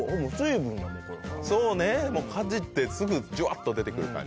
そうねかじってすぐジュワっと出てくる感じ。